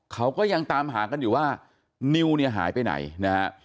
เขาก็ยังตามหากันอยู่ว่านิวเนี่ยหายไปไหนนะฮะ